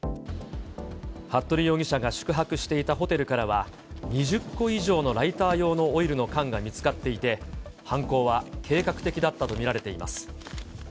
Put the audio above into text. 服部容疑者が宿泊していたホテルからは、２０個以上のライター用のオイルの缶が見つかっていて、犯行は計画的だったと見られています。